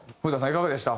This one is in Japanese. いかがでした？